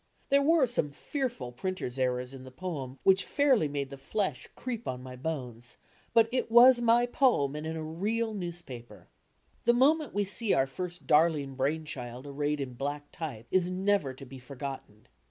There were some fearful printers' errors in the poem which fairly made the flesh creep on my bones, but it was my poem, and in a real newspaper! The moment we ''*'„,. .,Google see our first darling brain child arrayed in black type is never to be forgotten.